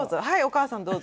はいお義母さん